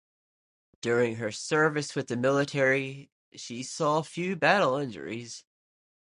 During her service with the military, she saw few battle injuries.